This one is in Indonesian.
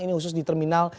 ini khusus di terminal